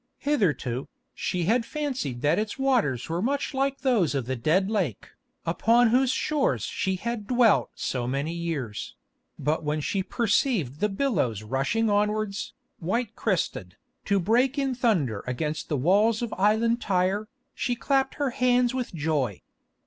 Hitherto, she had fancied that its waters were much like those of the Dead Lake, upon whose shores she had dwelt so many years; but when she perceived the billows rushing onwards, white crested, to break in thunder against the walls of island Tyre, she clapped her hands with joy.